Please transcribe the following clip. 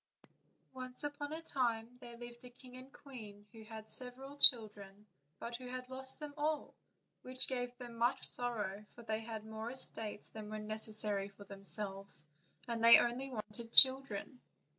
ONCE upon a time there lived a king and queen who had had several children, but who had lost them all, which gave them much sorrow, for they had more estates than were necessary for themselves, and only wanted children.